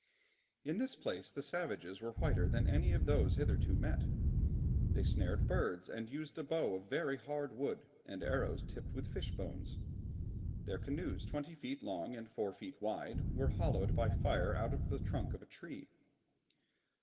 In this place the savages were whiter than any of those hitherto met with; they snared birds and used a bow of very hard wood, and arrows tipped with fish bones. Their canoes, twenty feet long and four feet wide, were hollowed by fire out of a trunk of a tree.